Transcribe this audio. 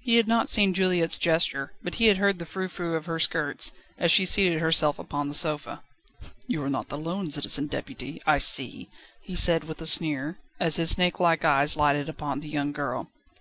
He had not seen Juliette's gesture, but he had heard the frou frou of her skirts, as she seated herself upon the sofa. "You are not alone Citizen Deputy, I see," he said, with a sneer, as his snakelike eyes lighted upon the young girl.